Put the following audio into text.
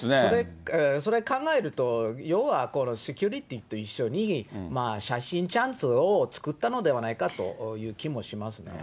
それ考えると、要はセキュリティーと一緒に写真チャンスを作ったのではないかという気もしますね。